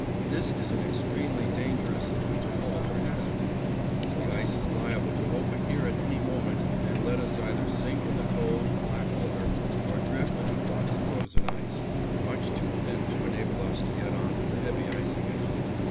This is an extremely dangerous zone to halt or hazard in. The ice is liable to open here at any moment and let us either sink in the cold, black water or drift on a block of frozen ice, much too thin to enable us to get on to the heavy ice again.